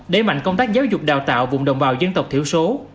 đẩy mạnh công tác giáo dục đào tạo vùng đồng bào dân tộc thiểu số